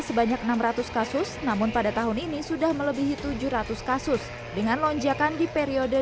sebanyak enam ratus kasus namun pada tahun ini sudah melebihi tujuh ratus kasus dengan lonjakan di periode